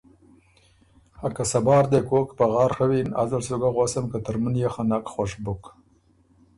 خه که صبار دې کوک پغار ڒوِن ازل سُو ګه غؤسم که ترمُن يې خه نک خوش بُک۔